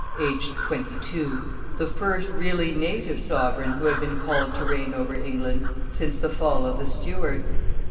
aged twenty two, the first really native sovereign who had been called to reign over England since the fall of the Stuarts.